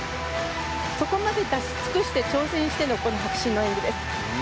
そこまで出し尽くして挑戦してのこの迫真の演技です。